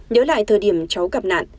nhớ lại thời điểm cháu gặp nạn